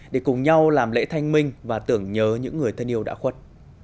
để cùng nhau làm lễ thanh minh và tưởng nhớ những người thân yêu đã khuất